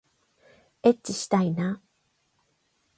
えっちしたいな